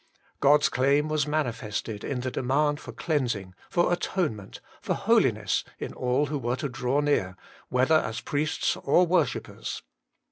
God's claim was manifested in the demand for cleansing, for atonement, for holiness, in all who were to draw near, whether as priests or worshippers.